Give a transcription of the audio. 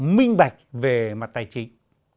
mình bạch về mặt tài chính